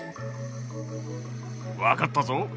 わかったぞ。